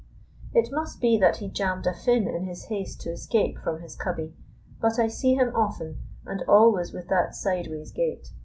It must be that he jammed a fin in his haste to escape from his cubby, but I see him often, and always with that sideways gait.